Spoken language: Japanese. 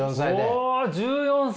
お１４歳！